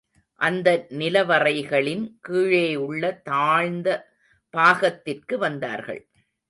அந்த நிலவறைகளின் கீழேயுள்ள தாழ்ந்த பாகத்திற்கு வந்தார்கள்.